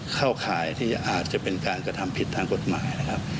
เข้าข่ายที่อาจจะเป็นการกระทำผิดทางกฎหมายนะครับ